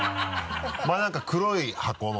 前何か黒い箱の。